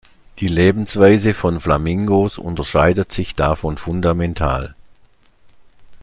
Die Lebensweise von Flamingos unterscheidet sich davon fundamental.